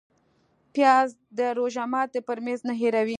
پیاز د روژه ماتي پر میز نه هېروې